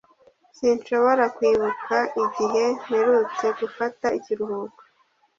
Sinshobora kwibuka igihe mperutse gufata ikiruhuko.